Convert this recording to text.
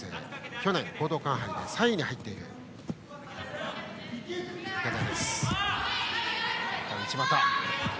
去年、講道館杯で３位に入っている池田。